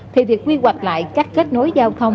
thì việc quy hoạch lại cách kết nối giao thông